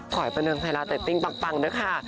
บันเทิงไทยรัฐเตตติ้งปังด้วยค่ะ